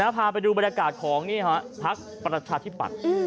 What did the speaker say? พาไปดูบรรยากาศของพักประชาธิปัตย์